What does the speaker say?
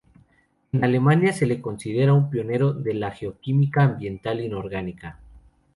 En Alemania se le considera un pionero de la geoquímica ambiental inorgánica.